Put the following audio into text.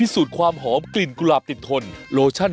สู้หน้าสู้ครับ